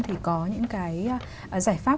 thì có những cái giải pháp